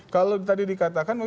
kalau tadi dikatakan